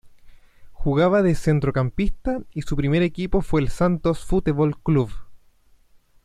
Jugaba de centrocampista y su primer equipo fue el Santos Futebol Clube.